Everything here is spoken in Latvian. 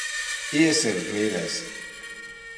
Iesim, mīļais.